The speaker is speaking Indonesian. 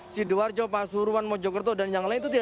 sidoarjo pasuruan mojokerto dan yang lain itu tidak